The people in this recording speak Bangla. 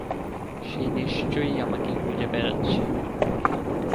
সে নিশ্চয়ই আমাকে খুঁজে বেড়াচ্ছে।